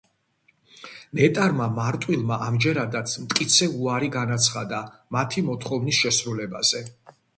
ნეტარმა მარტვილმა ამჯერადაც მტკიცე უარი განაცხადა მათი მოთხოვნის შესრულებაზე.